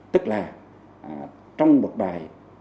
tức là trong một bài